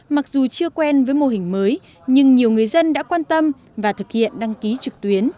mặc dù chưa quen với mô hình mới nhưng nhiều người dân đã quan tâm và thực hiện đăng ký trực tuyến